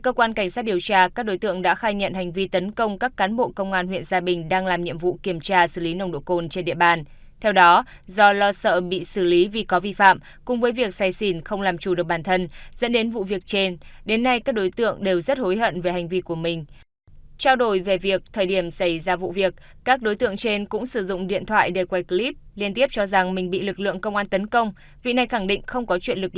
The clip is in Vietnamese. cảnh sát điều tra công an huyện gia bình đang củng cố hồ sơ để khởi tố vụ án khởi tố hai đối tượng trên về hành vi chống người thi hành công vụ